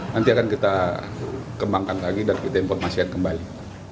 nanti akan kita kembangkan lagi dan kita informasikan kembali